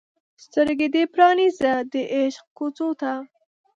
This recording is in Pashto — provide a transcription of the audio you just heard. سترګې دې پرانیزه د عشق کوڅو ته